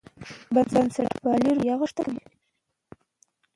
بنسټپاله روحیه غښتلې کېږي.